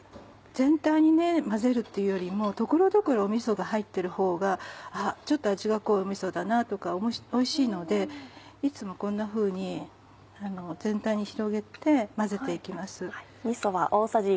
全体に混ぜるっていうよりも所々みそが入ってるほうがちょっと味が濃いみそだなとかおいしいのでいつもこんなふうに全体に広げて混ぜて行きます。